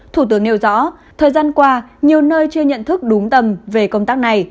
thủ tướng nêu rõ thời gian qua nhiều nơi chưa nhận thức đúng tầm về công tác này